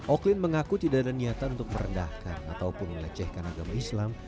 oklin mengaku tidak ada niatan untuk merendahkan ataupun melecehkan agama islam